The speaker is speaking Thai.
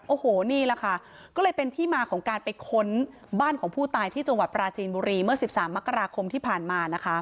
โอ้โหนี่แหละค่ะก็เลยเป็นที่มาของการไปค้นบ้านของผู้ตายที่จังหวัดปราจีนบุรีเมื่อ๑๓มกราคมที่ผ่านมานะคะ